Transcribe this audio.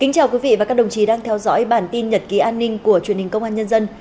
chào mừng quý vị đến với bản tin nhật ký an ninh của truyền hình công an nhân dân